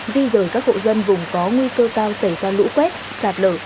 di rời các hộ dân vùng có nguy cơ cao xảy ra lũ quét sạt lở